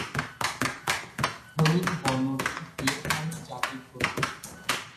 হলুদ বর্ণটি ভিয়েতনামী জাতির প্রতীক।